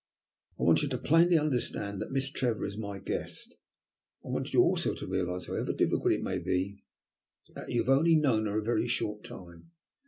"I want you to plainly understand that Miss Trevor is my guest. I want you also to try to realize, however difficult it may be, that you have only known her a very short time.